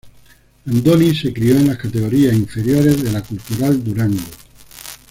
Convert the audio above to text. Andoni se crió en las categorías inferiores de la Cultural Durango.